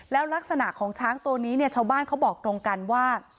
แล้วลักษณะของช้างตัวนี้เนี่ยชาวบ้านเขาบอกตรงกันว่า